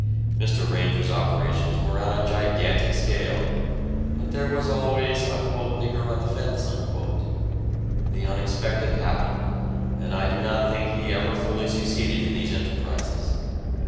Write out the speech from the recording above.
Mr. Ranger's operations were on a gigantic scale, but there was always a "nigger on the fence." The unexpected happened, and I do not think he ever fully succeeded in these enterprises.